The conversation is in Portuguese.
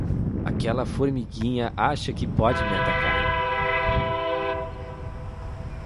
Aquela formiguinha acha que pode me atacar.